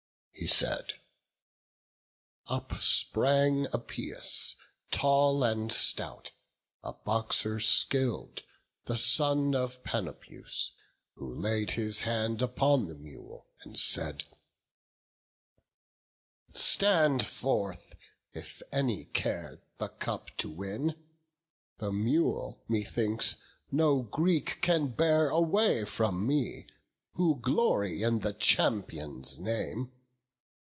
He said; up sprang Epeius, tall and stout, A boxer skill'd, the son of Panopeus, Who laid his hand upon the mule, and said: "Stand forth, if any care the cup to win; The mule, methinks, no Greek can bear away From me, who glory in the champion's name.